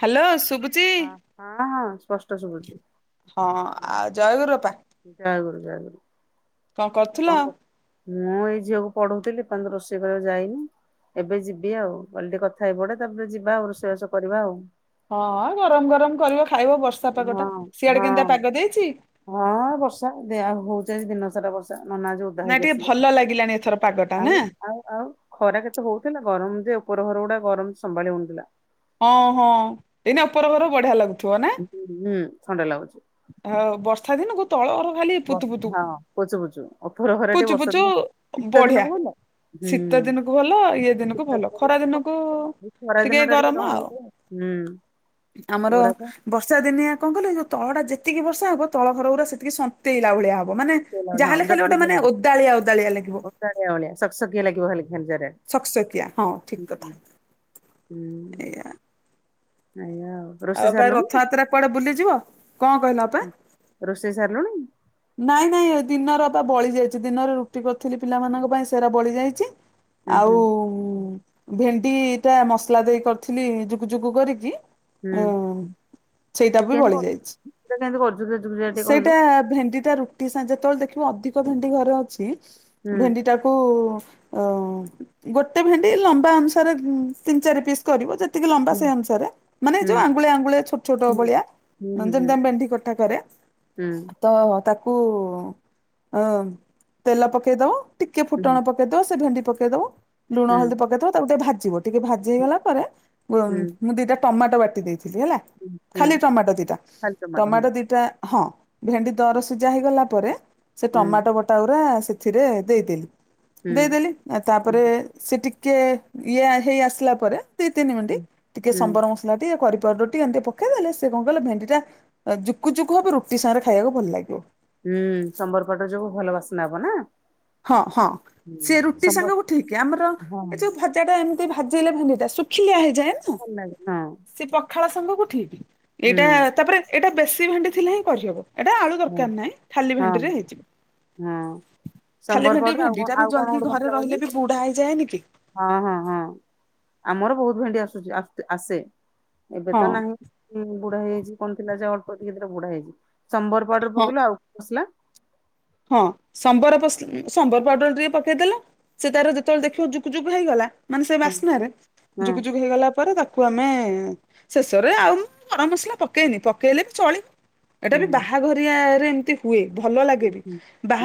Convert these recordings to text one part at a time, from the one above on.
Hello ଶୁଭୁଚି? Hello ହଁ ହଁ ସ୍ପଷ୍ଟ ଶୁଭୁଛି। ହଁ ଆଉ ଜୟଗୁରୁ ଅପା। ଜୟଗୁରୁ ଜୟଗୁରୁ। କଣ କରୁଥିଲ? ମୁଁ ଏଇ ଝିଅକୁ ପଢଉଥିଲି ଏ ପଯ୍ୟନ୍ତୁ ରୋଷେଇ କରିବାକୁ ଯାଇନି। ଏବେ ଯିବି ଆଉ କଲି ଟିକେ କଥା ହେଇ ପଡେ ତାପରେ ଯିବା ଆଉ ରୋଷେଇବାଷ କରିବା ଆଉ। ହଁ ଗରମ ଗରମ କରିବ ଖାଇବ ବର୍ଷା ପାଗ ଟା। ହଁ ସିଆଡେ ହଁ କେମତିଆ ପାଗ ଦେଇଛି? ହଁ ବର୍ଷା ଦେହା ହଉଚି ଆଜି ଦିନସାରା ବର୍ଷା ନନା ଆଜି ଉଠି ଦା ନା ହେଇକି ଟିକେ ଆସିଲେ ଭଲ ଲାଗିଲାଣି ଏଥର ପାଗଟା ନା ଆଉ ଆଉ ଆଉ ଖରା କେତେ ହଉଥିଲା ଗରମ ଯେ ଉପର ଘରଗୁଡା ଗରମ ସମ୍ଭାଳି ହଉନଥିଲା। ହଁ ହଁ ଏଇନା ଓପର ଘର ବଢିଆ ଲାଗୁଥିବ ନା। ହ ହୁଁ ଥଣ୍ଡା ଲାଗୁଛି। ଅ ବର୍ଷା ଦିନୁକୁ ତଳ ଘର ଖାଲି ବ ପୁତୁ ପୁତୁ ହଁ ପୋଚୁ ପୋଚୁ ଉପର ଘରେ ଟିକେ ପୁଚୁ ବର୍ଷା ପୁଚୁ ଦିନ ଶୀତ ବଢିଆ ଦିନକୁ ଭଲ ହୁଁ ଶୀତ ଦିନକୁ ଭଲ ଇଏ ଦିନକୁ ଭଲ ଖରା ଦିନକୁ ଏଇ ଖରା ଟିକେ ଦିନ ଟା ଗରମ ଗହଳି ଆଉ ଟିକେ ହୁଁ ଆମର ପୁରା ତ ବର୍ଷା ଦିନିଆ କଣ କହିଲୁ ଏ ଯୋଉ ତଳଟା ଯେତିକି ବର୍ଷା ହବ ତଳ ଘର ଗୁରା ସେତିକି ସନ୍ତ ନ୍ତେଇଲା ଭଳିଆ ହବ ମାନେ ଶୁଖିଲା ଯାହାେଲେ ଖାଲେ ଗୋଟେ ମାନେ ଓଦାଳିଆ ଓଦାଳିଆ ଲାଗିବ। ଓଦାଳିଆ ଭଳିଆ ସକସକିଆ ଲାଗିବ ଖାଲି ଖଞ୍ଜାରେ ସକସକିଆ ହଁ ଠିକ ଉଁ କଥା ହୁଁ। ହୁଁ ଏଇଆ। ଏୟା ଆଉ। ଆଉ ରୋଷେଇ ଅପା ଏ ସାରିଲୁଣି? ରଥଯାତ୍ରା କୁଆଡେ ବୁଲିଯିବ କଣ କହିଲା ଅପ ରୋଷେଇ ସାରିଲୁଣି? ନାଇଁ ନାଇଁ ଦିନର ବା ବଳି ଯାଇଛି ଦିନରେ ରୁଟି କରିଥିଲି ପିଲାମାନଙ୍କ ପାଇଁ ସୋରା ବଳି ଯାଇଚି। ଉଁ ହୁଁ ଆଉ ଭେଣ୍ଡି ଟା ମସଲା ଦେଇ କରିଥିଲି ଜୁକୁ ଜୁକୁ କରିକି ହୁଁ ଉଁ ସେଇଟା ବି କେମିତି ବଳି କରୁ ଯାଇଛି ସେଟା କେମିତି କରୁଛୁ ଜୁକୁଜୁକିଆ ଟିକେ କହିଲୁ ସେଇଟା ଭେଣ୍ଡି ଟା ରୁଟି ସା ଯେତେବେଳେ ଦେଖିବ ଅଧିକ ଭେଣ୍ଡି ଘରେ ଅଛି ହୁଁ ଭେଣ୍ଡି ଟା ତାକୁ ଗୋଟେ ଭେଣ୍ଡି ଲମ୍ବା ଅନୁସାରେ ତିନି ଚାରି ପିସ୍ କରିବ ଯେତିକି ଲମ୍ବା ହୁଁ ସେ ଅନୁସାରେ ମାନେ ହୁଁ ଯୋଉ ଆଙ୍ଗୁଳିଆ ଆଙ୍ଗୁଳିଆ ଛୋଟ ଛୋଟ ହୁଁ। ଭଳିଆ। ହୁଁ ହୁଁ ନନ୍ଦନ ହୁଁ ଦମ ଭେଣ୍ଟିି କଟା କରେ। ହୁଁ ତ ତାକୁ ଅ ତେଲ ପକେଇଦବ ଟିକେ ଫୁଟଣ ହୁଁ ପକେ ପକେଇଦବ ସେ ଭେଣ୍ଡି ପକେଇଦବୁ ଲୁଣ ହୁଁ ହଳଦି ପକେଇଦବ ତାକୁ ଟିକେ ଭାଜିବ ଟିକେ ଭା ଜି ହୁଁ ହେଇଗଲା ପରେ ମୁଁ ଦିଟା ଟମାଟୋ ବାଟି ଦେଇଥିଲି ହେଲା। ହୁଁ ହୁଁ ଖାଲି ଟମାଟୋ ଦିଟା ଖାଲି ହୁଁ ଟମାଟୋ ଦିଟା ହଁ ଭେଣ୍ଡି ଦରସି ହେଲା ପରେ ସେ ହୁଁ ଟମାଟୋ ବଟା ଗୁରା ସେଥିରେ ଦେଇଦେଲି। ହୁଁ ଦେଇଦେଲି ଆ ତାପରେ ହୁଁ ସେ ଟିକେ ଇଏ ହେଇ ଆସିଲା ପରେ ଦି ତିନି ମିନଣ୍ଟ ହୁଁ। ଟିକେ ହୁଁ ସମ୍ବର ମସଲା ଟିକେ କରି ପାଉଡର ଟିକେ ଏମିତି ପକେଇ ଦେଲେ ସେ କଣ କହିଲ ଭେଣ୍ଡି ଟା ଆ ଜୁକୁ ଜୁକୁ ହବ ରୁଟି ସାଙ୍ଗରେ ଖାଇବାକୁ ଭଲ ଲାଗିବ। ହୁଁ ସମ୍ବର ପାଉଡର ଯୋଗୁ ଭଲ ବାସନା ହବ ନା। ହଁ ହଁ ହୁଁ ସେ ରୁଟି ସମ୍ବର ସାଙ୍ଗକୁ ଠିକ ଆମର ହଁ ଏ ଯୋଉ ଭ ଭଜା ଟା ଏମିତି ଭାଜିଲେ ଭେଣ୍ଡିଟା ଶୁଖିଲିଆ ହେଇଯାଏ ନା ଭଲ ଲାଗେ ହଁ ସେ ପଖାଳ ସାଙ୍ଗକୁ ଠିକ୍। ଏଇଟା ହୁଁ ତାପରେ ଏଇଟା ବେଶୀ ଭେଣ୍ଡି ଥିଲେ ହିଁ କରିହବ ଏଇଟା ଆଳୁ ହଁ ଦରକାର ନାହିଁ ଖାଲି ହଁ ଭେଣ୍ଡିରେ ହେଇଯିବ। ହଁ ଖାଲି ସମ୍ବର ଭେଣ୍ଡି ପାଉଡର ଆଉ ଭେଣ୍ଡି କଣ ଟା ବି ଆଉ କଣ ଜଲ୍ଦି ଗୋଟେ ଘରେ ମସଲା ରହିଲେ କହିଲୁ? ବି ବୁଢା ହେଇଯାଏନି କି ହଁ ହଁ ହଁ ଆମର ବହୁତ ଭେଣ୍ଡି ଆସୁଛି ଆସ୍ତେ ଆସେ। ଏବେ ହଁ ତ ନାହିଁ ବୁଢା ହେଇଯାଇଛି କଣ ଥିଲା ଯେ ଅଳ୍ପ ଟିକେ ଥିଲା ବୁଢା ହେଇଚି। ସମ୍ବର ପାଉଡର ହଁ ପକେଇଲୁ ଆଉ ମସଲା। ହଁ ସମ୍ବର ପଶ ଉଁ, ସମ୍ବର ପାଉଡର ଟିକେ ପକେଇଦେଲ। ସେ ତାର ଯେତେବେଳେ ଦେଖିବ ଜୁକୁ ଜୁକୁ ହେଇଗଲା। ମାନେ ସେ ହଁ ବାସ୍ନାରେ ହଁ ଜୁକୁଜୁକୁ ହେଇଗଲା ପରେ ତା ତାକୁ ଆମେ ଶେଷରେ ଆଉ ମୁଁ ଗରମ ମସଲା ପକେଇନି ପକେଇଲେ ବି ଚଳିବ। ଏଟା ହୁଁ ବି ବାହାଘରିଆରେ ଏମିତି ହୁଏ ଭଲ ଲାଗେ ବି। ହୁଁ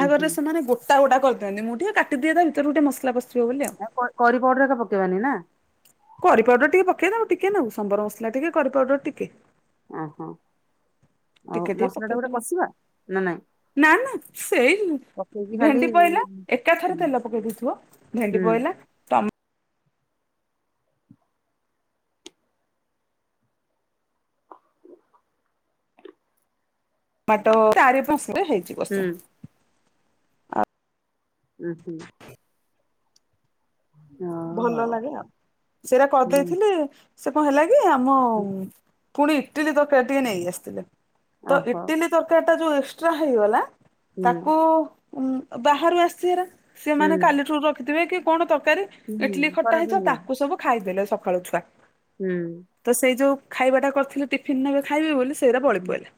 ଉଁ ହୁଁ ସେମାନେ ଗୋଟା ଗୋଟା କରିଦିଅନ୍ତି ମୁଁ ଟିକେ କାଟିଦିଏ, ତା ଭିତରକୁ ଟିକିଏ ମସଲା ପସିବ ବୋଲି ଆଉ। କ କରି ପାଉଡର ଏକା ପକେଇବାନି ନା? କରି ପାଉଡର ଟିକେ ପକେଇବଉ ଟିକେ ନାକୁ। ସମ୍ବର ମସଲା ଟିକେ କରି ପାଉଡର ଟିକେ। ଅଁ, ହଁ ଆଉ ଟିକେ ଟିକେ ମସଲା ଟା ଗୋଟେ ପକେଇଦେଲ କଷିବା ନା ନାଇଁ? ନା ନା ସେଇ ପକେଇକି ଖାଲି ଭେଣ୍ଡି ପଇଲା ଏକା ଥରେ ହୁଁ ତେଲ ପକେଇ ଦେଇଥିବ। ଭେଣ୍ଡି ହୁଁ ପଇଲା ଟମା ମାତ ଚାରି ପାନ୍ସ [inaudible] ହେଇଛି। ହୁଁ। ଉଁ, ହୁଁ। ଓ ଭଲ ହଉ ଲାଗେ ଆଉ, ସେଟା କରିଦେଇଥିଲେ ସେ କଣ ହେଲା କି ଆମ ପୁଣି ଇଟିଲି ତରକାରୀ ଟିକେ ନେଇ ଆସିଥିଲେ। ତ ଓହୋ ଇଟିଲି ତରକାରୀ ଟା ଯୋଉ ଏକ୍ସଟ୍ରା ହେଇଗଲା ହୁଁ ତାକୁ ଉଁ, ବାହାରୁ ଆସିବାର ସେମାନେ ହୁଁ କାଲିଠୁ ରଖିଥିବେ କି କଣ ତରକାରୀ ଇଟଲି ଖଟା ହେଇଥିବ ତାକୁ ସବୁ ଖାଇଦେଲେ ସକାଳୁ ଛୁଆ। ହୁଁ। ତ ସେଇ ଯୋଉ ଖାଇବାଟା କରିଥିଲି ଟିଫିିନ ନେବେ ଖାଇବେ ବୋଲି ସେଇରା ବଳି ପଇଲା,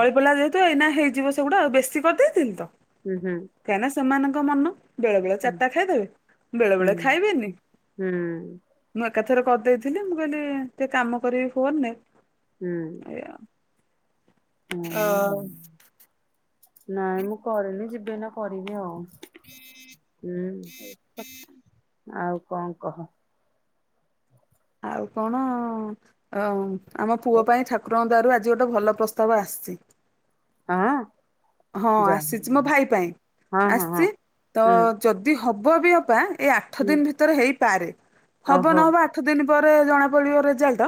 ବଳି ପଇଲା ଯେହେତୁ ଏଇନା ହେଇଯିବ ସେଗୁଡା ଆଉ ବେଶୀ କରିଦେଇଥିଲି ତ। ହୁଁ, ହୁଁ। କାହିଁକିନା ସେମାନଙ୍କ ମନ ବେଳେ ବେଳେ ଚାଟା ଖାଇଦେବେ। ବେଳେ ବେଳେ ଖାଇବେନି। ମୁଁ ଏକାଥରେ କରିଦେଇଥିଲି। ମୁଁ କହିଲି ଟିକେ କାମ କରିବି ଫୋନ୍ ନେ। ହୁଁ। ଅ, ନାଇଁ ମୁଁ କରିନି ଯିବି ଏଇନା କରିବି ଆଉ। ଉଁ, ହୁଁ, ଆଉ କଣ କହ? ଆଉ କଣ ଅ, ଆମ ପୁଅ ପାଇଁ ଠାକୁରଙ୍କ ଦୟାରୁ ଆଜି ଗୋଟେ ଭଲ ପ୍ରସ୍ତାବ ଆସିଛି। ହଁ। ହଁ ଯାହା ଆସିଛି, ମୋ ହଉ। ଭାଇ ପାଇଁ ହଁ ହଁ ହଁ ଆସିଛି। ତ ହୁଁ ଯଦି ହବ ବି ଅପା ଏ ଆଠ ହୁଁ ଦିନ ଭିତରେ ହେଇପାରେ। ହବ ଓହୋ ନହବ ଆ ଆଠ ଦିନ ପରେ ଜଣା ପଡିବ ରେଜାଲ୍ଟ।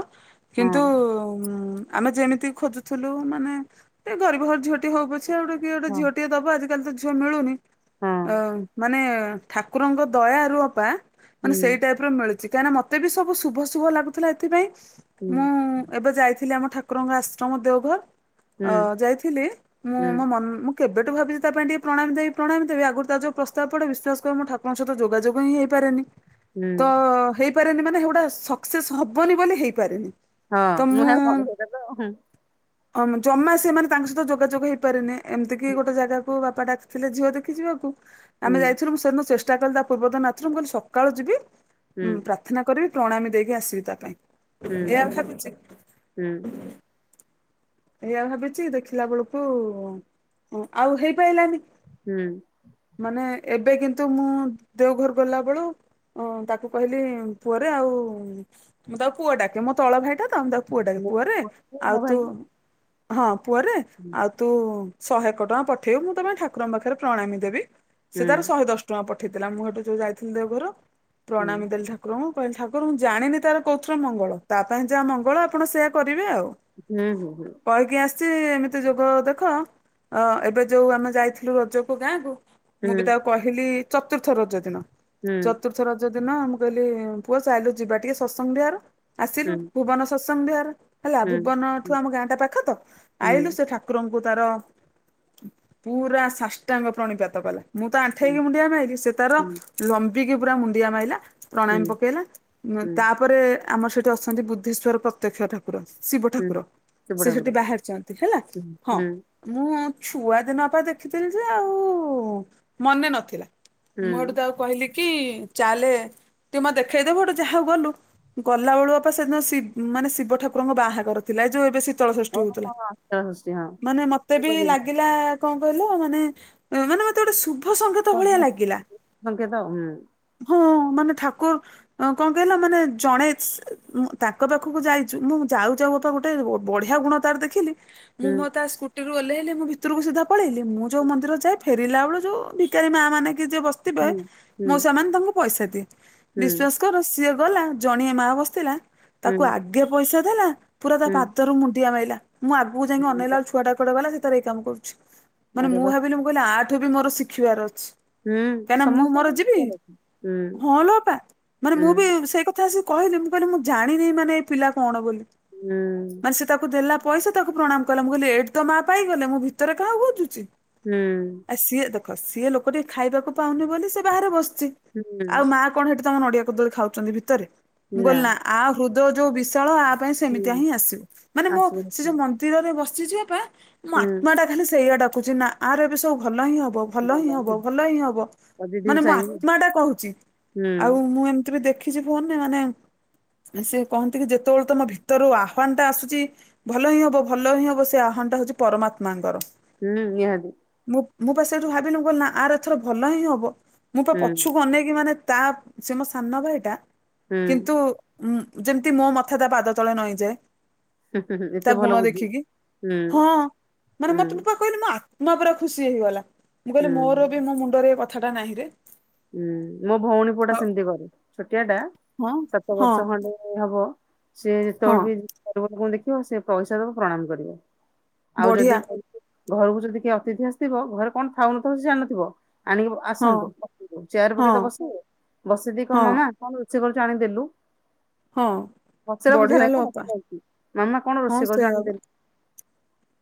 ହଁ କିନ୍ତୁ ଉଁ, ଆମେ ଯେମିତି ଖୋଜୁଥୁଲୁ ମାନେ ଟିକେ ଗରିବ ଘର ଝିଅଟି ହଉ ପଛେ ଆଉ ଗୋଟେ କିଏ ଗୋଟେ ହଁ ଝିଅଟିଏ ଦବ। ଆଜି କାଲି ତ ଝିଅ ମିଳୁନି ହଁ ଅ, ମାନେ ଠାକୁରଙ୍କ ଦୟାରୁ ଅପା ମାନେ ହୁଁ ସେଇ ଟାଇପ୍ ର ମିଳିଚି। କାହିଁକିନା ମୋତେ ବି ସବୁ ଶୁଭ ଶୁଭ ଲାଗୁଥିଲା, ଏଥିପାଇଁ ହୁଁ ମୁଁ ଏବେ ଯାଇଥିଲି ଆମ ଠାକୁରଙ୍କ ଆଶ୍ରମ ଦେଓଘର ଅ, ହୁଁ ଯାଇଥିଲି। ମୁଁ ହୁଁ ମୋ ମା ଅନ ମୁଁ କେବେଠୁ ଭାବିଛି ତା ପାଇଁ ଟିକେ ପ୍ରଣାମ ଯାଇ ପ୍ରଣାମ ଦେବି ଆଗରୁ ତାର ଯୋଉ ପ୍ରସ୍ତାବ ପଡେ ବିଶ୍ୱାସ କର ମୁଁ ଠାକ ତାଙ୍କ ସହିତ ଯୋଗାଯୋଗ ହିଁ ହେଇପାରେନି। ହୁଁ ତ ହେଇପାରେନି ମାନେ ହେଉଡା ସକ୍ସେସ୍ ହବନି ବୋଲି ହେଇପାରେନି। ହଁ ନୁହେଁ ଆଉ କଣ ସେଇଟା ତ ହଁ,। ଅମ ଜମା ସେ ମାନେ ତାଙ୍କ ସହିତ ଯୋଗାଯୋଗ ହେଇପାରିନି। ଏମିତିକି ଗୋଟେ ଜାଗାକୁ ବାପା ଡାକ ଥିଲେ ଝିଅ ଦେଖି ଯିବାକୁ, ହୁଁ ଆମେ ଯାଇଥିଲୁ ମୁଁ ସେଦିନ ଚେଷ୍ଟା କଲି ତା ପୂର୍ବଦିନ ନଥିଲୁ ମୁଁ କହିଲି ସକାଳୁ ଯିବି ହୁଁ ଉଁ, ପ୍ରାର୍ଥନା କରିବି ପ୍ରଣାମ ଦେଇକି ଆସିବି ତା ପାଇଁ, ହୁଁ ଏହା ଭାବୁଛି ହୁଁ। ଏଇଆ ଭାବିଛି ଦେଖିଲା ବେଳକୁ ଅଁ, ଆଉ ହେଇପାଇଲାନି। ହୁଁ। ମାନେ ଏବେ କିନ୍ତୁ ମୁଁ ଦେଓଘର ଗଲା ବେଳୁ ଅ, ତାକୁ କହିଲି ପୁଅରେ ଆଉ, ମୁଁ ତାକୁ ପୁଅ ଡାକେ ମୋ ତଳ ଭାଇ ଟା ତ ମୁଁ ତାକୁ ପୁଅଟା ପୁଅରେ ମୁଁ ଆଉ ମୋ ତୁ ଭାଇ ହଁ ପୁଅରେ ଆଉ ତୁ ଶହେ ଏକ ଟଙ୍କା ପଠେଇବୁ ମୁଁ ତ ପାଇଁ ଠାକୁରଙ୍କ ପାଖରେ ପ୍ରଣାମୀ ଦେବି ସେ ହୁଁ ତାର ଶହେ ଦଶ୍ ଟଙ୍କା ପଠେଇଥିଲା ମୁଁ ଏଇଠୁ ଯୋଉ ଯାଇଥିଲି ଦେଓଘରୁ ହୁଁ ପ୍ରଣାମୀ ଦେଲି ଠା ଠାକୁରଙ୍କୁ କହିଲି ଠାକୁରଙ୍କୁ ଜାଣିନି ତାର କୋଉଥିରେ ମଙ୍ଗଳ ତା ପାଇଁ ଯାହା ମଙ୍ଗଳ ଆପଣ ସେଇଆ କରିବେ ଆଉ। ନେ ହୁଁ ହୁଁ କହିକି ଆସିଛି ଏମିତି ଯୋଗ ଦେଖ ଏବେ ଯୋଉ ଆମେ ଯାଇଥିଲୁ ରଜକୁ ଗାଁକୁ ମୁଁ ବି ତାକୁ କହିଲି ଚତୁର୍ଥ ରଜ ଦିନ ଚତୁର୍ଥ ଚତୁର୍ଥ ରଜ ଦିନ ମୁଁ କହିଲି ପୁଅ ଚାଲିଲୁ ଯିବା ଟିକେ ସତସଙ୍ଗ ବିହାର ଆସିଲୁ ଭୁବନ ସତସଙ୍ଗ ବିହାର ହେଲା ଭୁବନଠୁ ଆମ ଗାଁଟା ପାଖ ତ ଆଇଲୁ ସେ ଠାକୁର ଠାକୁରଙ୍କୁ ତାର ପୁରା ସାଷ୍ଟାଙ୍ଗ ପ୍ରଣିପାତ କଲା। ମୁଁ ତ ଆଣ୍ଠେଇକି ମୁଣ୍ଡିଆ ମାଇଲି ସେ ତାର ଲମ୍ବିକି ପୁରା ମୁଣ୍ଡିଆ ମାଇଲା। ପ୍ରଣାମି ପକେଇଲା ତାପରେ ଆମର ସେଠି ଅଛନ୍ତି ବୁଦ୍ଧେଶ୍ଵର ପ୍ରତ୍ୟକ୍ଷ ଠାକୁର ଠାକୁର ଶିବ ଠାକୁର ସେ ସେଠି ବାହାରିଛନ୍ତି ହେଲା ହଁ ମୁଁ ଛୁଆ ଦିନ ଅପା ଦେଖିଥିଲି ଯେ ଆଉ ମନେ ନଥିଲା। ମୁଁ ଏଠୁ ତାକୁ କହିଲି କି ଚାଲେ ଟିକେ ମୋତେ ଦେଖେଇଦବୁ ଯାହାହଉ ଗଲୁ। ଗଲା ବେଳୁ ଅପା ସେଦିନ ଶିବ ମାନେ ଶିବ ଠାକୁରଙ୍କ ବାହାଘର ଥିଲା ଯୋଉ ଏବେ ଶି ଶୀତଳ ଷଷ୍ଠୀ ହଉଥିଲା ମାନେ ମତେ ବି ଲାଗିଲା କଣ କହିଲ ମାନେ ମାନେ ମତେ ଗୋଟେ ଶୁଭ ସଂଙ୍କେତ ଭଳିଆ ଲାଗିଲା। ହଁ ମାନେ ଠାକୁର୍ କଣ କହିଲ ମାନେ ଜଣେ ତାଙ୍କ ପାଖକୁ ଯାଇଛୁ ମୁଁ ଯାଉଛ ମୋ ଅପା ଗୋଟେ ବଢିଆ ଗୁଣ ତାର ଦେଖିଲି ମୁଁ ମୋ ତା ସ୍କୁ ସ୍କୁଟି ରୁ ଓହ୍ଲେଇଲି ମୁ ଭିତରକୁ ସିଧା ପଳେଇଲି ମୁଁ ଯୋଉ ମନ୍ଦିର ଯାଏ ଫେରିଲା ବେଳକୁ ଯୋଉ ଭିକାରୀ ମା ମାନେ କି ଯିଏ ବସ୍ ଥିବେ ମୁଁ ସେମାନେ ତାଙ୍କୁ ପଇସା ଦିଏ ବିଶ୍ଵାସ୍ ସିଏ ଗଲା ଜଣିଏ ମା ବସିଥିଲା ତାକୁ ଆର୍ଟିଓ ପଇସା ଦେଲା ପୁରା ତା ପା ମୁଣ୍ଡିଆ ମାଇଲା ମୁଁ ଆଗକୁ ଯାଇକି ଅନେଇଲା ବେଳକୁ ଛୁଆଟା କୁଆଡେ ଗଲା ସେ ତାର ଏଇ କାମ କରୁଛି ମାନେ ମୁଁ ବା ଭାବିଲି ମୁଁ କହିଲି ଆଠୁ ବି ମୋର ଶିଖିବାର ଅଛି। ହୁଁ କାଇଁନା ମୁଁ ମୋର ସମସ୍ତଙ୍କର ଯିବି ପୁଅର ଅଛି। ହୁଁ ହଁଲୋ ଅପା ମାନେ ମୁଁ ବି ସେଇ କଥା ଆସି କହିଲି ମୁଁ କହିଲି ମୁଁ ଜାଣିନି ମାନେ ଏଇ ପିଲା କଣ ବୋଲି ହୁଁ ମାନେ ସେ ତାକୁ ଦେଲା ପଇସା ତାକୁ ପ୍ରଣାମ କଲା ମୁଁ କହିଲି ଏଠି ତ ମା ପାଇଗଲେ ମୁଁ ଭିତରେ କାହାକୁ ଖୋଜୁଚି? ହୁଁ। ଆ ସିଏ ଦେଖ ସିଏ ଲୋକ ଟିକେ ଖାଇବାକୁ ପାଉନି ବୋଲି ସେ ବାହାରେ ବସ୍ଚି ହୁଁ ହୁଁ ଆଉ ହୁଁ ମା କଣ ସେଇଠି ତମର ନଡିଆ କଦଳୀ ଖାଉଚନ୍ତି ଭିତରେ ମୁଁ କହିଲ ନା ଆ ହୁଦୟ ଯୋଉ ବିଶାଳ ସେଥିପାଇଁ ସେମିତି ହୁଁ ହିଁ ଆସିବୁ ମାନେ ମୋ ଆସିବନି ସେ ଯୋଉ ମନ୍ଦିରରେ ବସିଛି ଅପା ମୋ ଆତ୍ମା ଟା ଖାଲି ସେଇଆ ଡାକୁଛି ନା ଆର ଏବେ ସବୁ ଭଲ ହିଁ ହବ। ଭଲ ହିଁ ହବ ଭଲ ହିଁ ହବ ପଜିଟିଭ ମାନେ ମୋ ସାଇନ ଆତ୍ମା ଟା କହୁଛି ହୁଁ ଆଉ ମୁଁ ଏମ୍ ଦେଖିଛି ଫୋନ୍ ରେ ମାନେ ସେ କହନ୍ତି କି ଯେତେବେଳେ ତମ ଭିତରୁ ଆହ୍ୱାନ୍ ଟା ଆସୁ ଚି ଭଲ ହିଁ ହବ ଭଲ ହିଁ ହବ ସେ ଆହ୍ୱାନ ଟା ହଉଚି ପରମାତ୍ମାଙ୍କର। ହୁଁ ନିହାତି। ମୁଁ ପା ସେଉଠୁ ଭାବିଲି ନା ଆର ଏଥର ଭଲ ହିଁ ହବ। ମୁଁ ବା ହୁଁ। ପଛୁକୁ ଅନେଇକି ମାନେ ତା ସେ ମୋ ସାନ ଭାଇଟା ହୁଁ କିନ୍ତୁ ଉଁ ଯେମିତି ମୋ ମଥା ତା ପାଦ ତଳେ ନଈଁଯାଏ। ହୁ ହୁଁ ହୁ ହୁଁ ତା ଏତେ ଭଲ ଗୁଣ ବୁଦ୍ଧି ଦେଖିକି ହୁଁ ହଁ ମାନେ ହୁଁ ମତେ ପା କହିଲି ମୋ ଆତ୍ମା ପୁରା ଖୁସି ହେଇଗଲା ମୁଁ କହିଲି ହୁଁ ମୋର ବି ମୋ ମୁଣ୍ଡରେ କଥାଟା ନାହିଁରେ ହୁଁ ମୋ ଭଉଣୀ ପୁଅଟା ହଁ ସେମିତି କରେ ଛୋଟିଆ ଟା ହଁ ସାତ ହଁ ବର୍ଷ ଖଣ୍ଡେ ହବ। ସିଏ ହଁ ଯେତେବେଳେ ବିି ଗରିବ ଲୋକଙ୍କୁ ଦେଖିବ ସେ ପଇସା ଦବ ପ୍ରଣାମ କରିବ। ଆଉ ବଢିଆ ଯଦି ଘରକୁ ଯଦି କିଏ ଅତିଥି ଆସିଥିବ ଘରେ କଣ ଥାଉ ନ ଥାଉ ସେ ଜାଣିନଥିବ ଆଣିକି ହଁ ଆସନ୍ତୁ ଚେୟାର ହଁ ପକେଇ ତ ବସେଇ ବସେଇ ଦେଇ କହିବ ହଁ ମାମା କଣ ରୋଷେଇ କରିଛୁ ଆଣିକି ଦେଲୁ। ହଁ। ପଚରା ପଚାରି ବଢିଆ ନାହିଁ ଲୋ ଅପା କଣ [inaudible] ମାମା କଣ ହଁ ରୋଷେଇ କରିଛୁ ସେଇଆ ପା ଆଣିଦେଲୁ।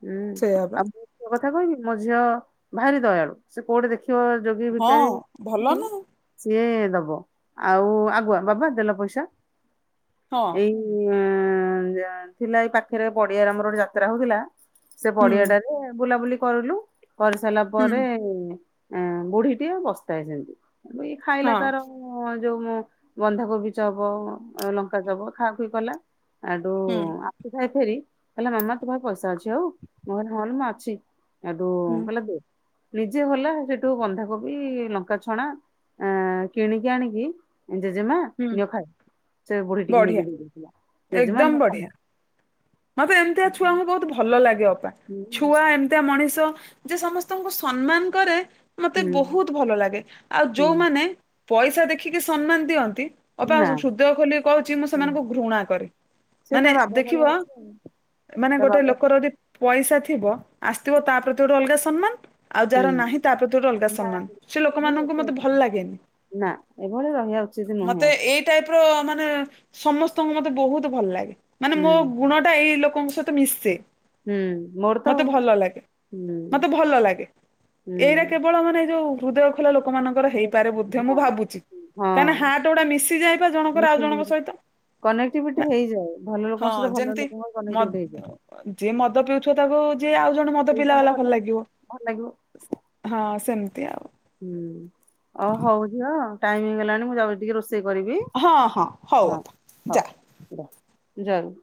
ହୁଁ ସେଇଆ ପା ଆଉ ମୋ ପୁଅ କଥା କଣ କି ମୋ ଝିଅ ଭାରି ଦୟାଳୁ ସେ କୋଉଠି ଦେଖି ଖିବ ଯୋଗୀ ହଁ ଭିକାରୀ। ଭଲ କି ନୁହୁଁ। ସିଏ ଦବ ଆଉ ଆଗୁଆ ବାବା ଦେଲ ପଇସା ହଁ ଏଇ ଉଁ ଥିଲା ଏଇ ପାଖରେ ପଡିଆରେ ଆମର ଗୋଟେ ଯାତ୍ରା ହଉଥିଲା ସେ ହୁଁ ପଡିଆଟାରେ ବୁଲାବୁଲି କରିଲୁ କରିସାରିଲା ହୁଁ। ପରେ ବୁଢୀ ଟିଏ ବସ ଥାଏ ସେମିତି [unintelligible] ଖାଇଲା ହଁ ତାର ଉଁ ଯୋଉ ମୋ ବନ୍ଧାକୋବି ଚପ ଲଙ୍କା ଚପ ଖା ଖୁଇ କଲା। ଆଡୁ ହୁଁ ଆସିଥାଏ ଫେରି କହିଲା ମାମା ତୋ ପାଖେ ପଇସା ଅଛି ଆଉ ମୁଁ କହିଲି ହଁ ରେ ମା ଅଛି। ଏଡୁ ହୁଁ କହିଲେ ନିଜେ ଗଲା ସେଠୁ ବନ୍ଧାକୋବି ଲ ଙ୍କା ଛଣା କିଣିକି ଆଣିକି ଜେଜେମା ହୁଁ ନିଅ ଖାଇ ସେ ବୁଢୀ ଟିକି ବଢିଆ ନେଇକି ଦେଇ ଦେଇକି ଆଇଲା ଜେଜେମା ଏକଦମ ନିଅ ଖାଇବ। ବଢିଆ ମତେ ଏମିତିଆ ଛୁଆଙ୍କୁ ବହୁତ ଭଲ ଲାଗେ ଅପା ହୁଁ ଛୁଆ ଏମ୍‌ତିଆ ମଣିଷ ଯେ ସମସ୍ତଙ୍କୁ ସମ୍ମାନ କରେ ମତେ ବହୁତ ଭଲ ଲାଗେ ଆଉ ହୁଁ ଯୋଉମାନେ ପଇସା ଦେଖିକି ସମ୍ମାନ ଦିଅନ୍ତି ଅପା ନା ହୃଦୟ ଖୋଲିକି କହୁଛି ମୁଁ ସେମାନଙ୍କୁ ଘୃଣା କରେ ସେ ତା ମାନେ ବାବା ଭଳିଆ ଦେଖିବ ଅଛି ଆଉ ମାନେ ତା ଗୋଟେ ବାବା ଲୋକର ଯଦି ପଇସା ଥିବ ଆସିଥିବ ତା ପ୍ରତି ଗୋଟେ ଅଲଗା ସମ୍ମାନ ଆଉ ହୁଁ ଯାହାର ନାହିଁ ତା ପ୍ରତି ଗୋଟେ ଅଲଗା ନା ସମ୍ମାନ ସେ ଲୋକମାନଙ୍କୁ ମତେ ଭଲ ଲାଗେନି। ନା ଏଭଳି ରହିବା ଉଚିତ ନୁହେଁ ଆକ୍ ଟାଇପ୍‌ର ମାନେ ସମସ୍ତଙ୍କୁ ମତେ ବହୁତ ଭଲ ଲାଗେ ମାନେ ହୁଁ ମୋ ବା ଏଇ ଲୋକଙ୍କ ସହିତ ମିଶେ। ହୁଁ ମୋର ତ ମତେ ଭଲ ଲାଗେ ହୁଁ ମତେ ଭଲ ଲାଗେ। ଏଇରା ହୁଁ କେବଳ ମାନେ ଯୋଉ ହୃଦୟ ଲୋକ ମାନଙ୍କର ହେଇପାରେ ବୋଧେ ମୁଁ ହଁ ଭାବୁଛି କାହିଁକିନା ହଁ ହାଟ ଗୁଡା ମିଶି ଯାଏ ପା ଜଣଙ୍କର ଆଉ ଜଣଙ୍କ ସହିତ। କନେକ୍ଟିଭିଟି ହେଇଯାଏ ଭଲ ଲୋକଙ୍କ ସହିତ ଭଲଲୋକ ମଦ୍‌ ଯିଏ ମଦ ପିଉଥିବ ତାକୁ ଯେ ଆଉ ଜଣେ ମଦ ସେଇ ପିଲା ସାଙ୍ଗ ବାଲା ଭଲ ଲାଗେ ଲାଗିବ ଭଲ ଲାଗିବ ହଁ ସେମିତି ଆଉ ହୁଁ ଓ ହଉ ଝୀଅ ଟାଇମ ହେଇଗଲାଣି ମୁଁ ଯାଉଛି ଟିକେ ରୋଷେଇ କରିବି। ହଁ ହଁ ହଉ ହଁ ଅପା ହ ଯା। ଜୟଗୁରୁ।